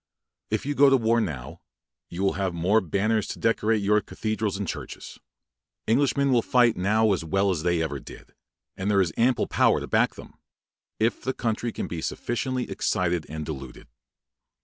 If you go into war now, you will have more banners to decorate your cathedrals and churches. Englishmen will fight now as well as they ever did; and there is ample power to back them, if the country can be but sufficiently excited and deluded.